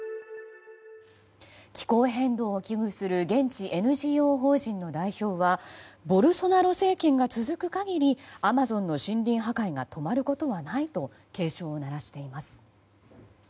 気候変動を危惧する現地ＮＧＯ法人の代表はボルソナロ政権が続く限りアマゾンの森林破壊が止まることはないと警鐘を鳴らしています。